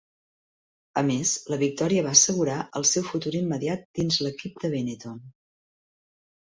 A més, la victòria va assegurar el seu futur immediat dins l'equip de Benetton.